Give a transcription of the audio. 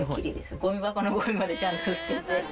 ゴミ箱のゴミまでちゃんと捨てて。